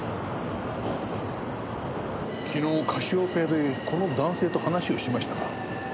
昨日カシオペアでこの男性と話しをしましたか？